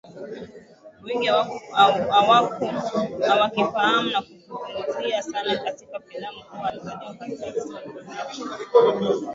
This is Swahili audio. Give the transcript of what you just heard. wengi hawakifahamu na hakizungumziwi sana katika filamu ni kuwa alizaliwa katika visiwa vya karafuu